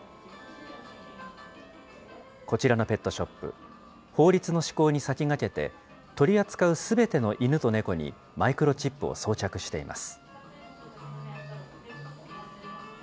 こちらのペットショップ、法律の施行に先駆けて、取り扱うすべての犬と猫に、マイクロチップを装着しています。